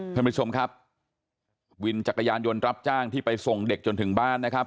ท่านผู้ชมครับวินจักรยานยนต์รับจ้างที่ไปส่งเด็กจนถึงบ้านนะครับ